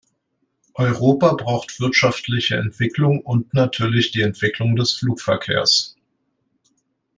Europa braucht wirtschaftliche Entwicklung und natürlich die Entwicklung des Flugverkehrs.